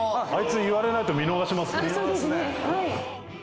あいつ言われないと見逃しますね。